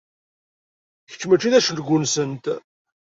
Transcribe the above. Kečč mačči d acengu-nsent.